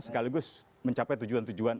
sekaligus mencapai tujuan tujuan